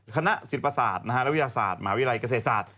คณะศิลปศาสตร์และวิทยาศาสตร์มหาวิทยาลัยเกษตรศาสตร์